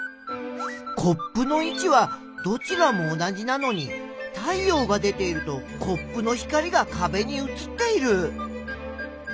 コップのいちはどちらも同じなのに太陽が出ているとコップの光がかべにうつっている。